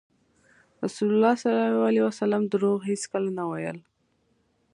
رسول الله ﷺ دروغ هېڅکله نه ویل.